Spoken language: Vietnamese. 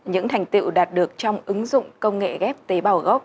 những thành tiệu đạt được trong ứng dụng công nghệ ghép tế bào gốc